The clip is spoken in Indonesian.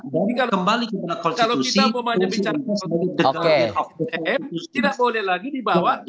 jadi kalau kita mau membicarakan tentang tsm tidak boleh lagi dibawa ke bawaslu